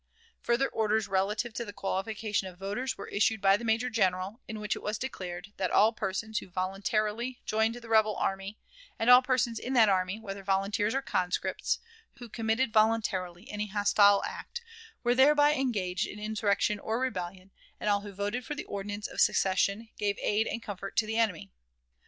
Further orders relative to the qualification of voters were issued by the major general, in which it was declared that "all persons who voluntarily joined the rebel army, and all persons in that army, whether volunteers or conscripts, who committed voluntarily any hostile act, were thereby engaged in insurrection or rebellion; and all who voted for the ordinance of secession, gave aid and comfort to the enemy.